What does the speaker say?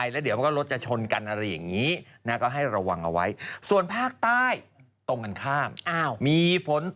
แล้วเดี๋ยวมันก็ลดจะชนกันอะไรอย่างนี้